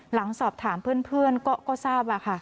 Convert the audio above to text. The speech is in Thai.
หลังสอบถามเพื่อนก็ทราบ